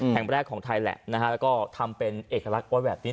แห่งแรกของไทยแหละนะฮะแล้วก็ทำเป็นเอกลักษณ์ไว้แบบนี้